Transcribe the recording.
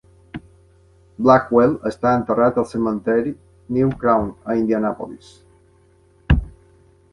Blackwell està enterrat al cementiri New Crown, a Indianapolis.